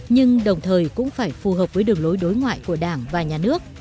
nhưng đồng thời cũng phải phù hợp với đường lối đối ngoại của đảng và nhà nước